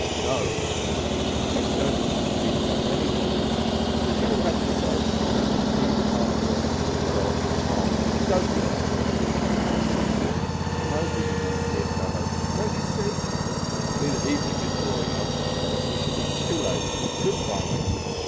"No, I am too certain to dispute the matter any longer. If you will have it so, we must indeed part here. But oh! Tom, don't be obstinate! Why, what has come over you, my dear fellow? Don't you see " "I see that evening is drawing on, and that we shall be too late. Good bye!